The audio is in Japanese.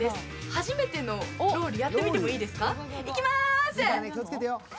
初めてのロウリュ、やってみてもいいですか、いきまーす。